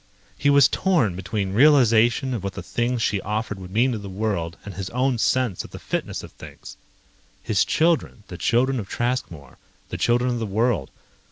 He was torn between realization of what the things she offered would mean to the world and his own sense of the fitness of things. His children, the children of Traskmore, the children of the world